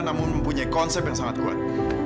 namun mempunyai konsep yang sangat kuat